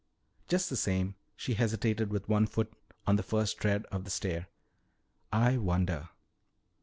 Just the same," she hesitated with one foot on the first tread of the stair, "I wonder."